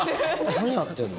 何やってんの？